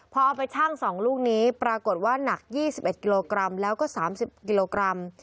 พอเอาไปชั่ง๒ลูกนี้ปรากฏว่าหนัก๒๑กิโลกรัมแล้วก็๓๐กิโลกรัม